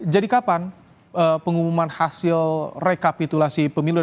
jadi kapan pengumuman hasil rekapitulasi pemilu